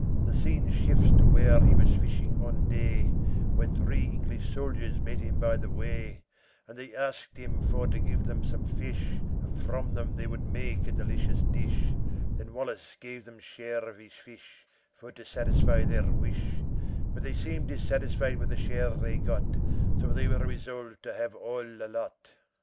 The scene shifts to where he was fishing on day, Where three English soldiers met him by the way, And they asked him fo give them some fish, And from them they would make a delicious dish, then Wallace gave them share of his fish, For to satisfy their wish; But they seemed dissatisfied with the share they got, So they were resolved to have all the lot.